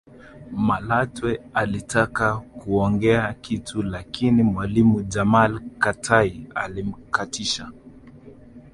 Malatwe alitaka kuongea kitu lakini mwalimu Jamal Katai alimkatisha